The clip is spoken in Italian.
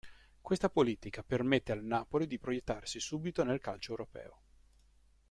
Questa politica permette al Napoli di proiettarsi subito nel calcio europeo.